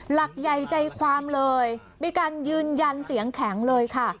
หลักใหญ่ใจความเลยมีการยืนยันเสียงแข็งเลยค่ะ